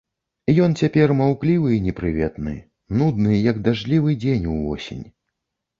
Ён цяпер маўклівы і непрыветны, нудны, як дажджлівы дзень увосень.